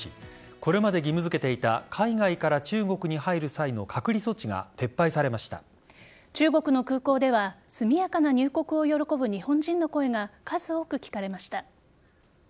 これまで義務付けていた海外から中国に入る際の中国の空港では速やかな入国を喜ぶ日本人の声が数多く聞かれました。